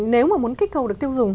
nếu mà muốn kích cầu được tiêu dùng